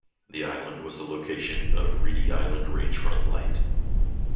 The island was the location of Reedy Island Range Front Light.